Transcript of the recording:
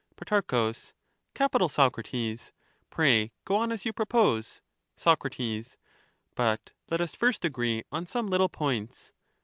Pro, Capital, Socrates ; pray go on as you propose. Soc, But, let us first agree on some little points.